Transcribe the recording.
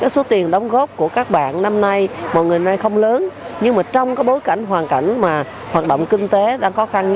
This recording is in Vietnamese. số tiền đóng góp của các bạn năm nay mọi người nay không lớn nhưng mà trong bối cảnh hoàn cảnh hoạt động kinh tế đang khó khăn